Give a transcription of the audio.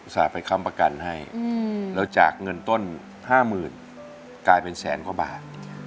ไปค้ำประกันให้แล้วจากเงินต้น๕๐๐๐กลายเป็นแสนกว่าบาท